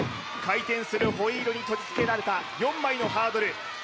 回転するホイールに取り付けられた４枚のハードル